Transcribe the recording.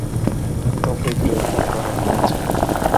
তোকে গ্রেফতার করা হয়েছে।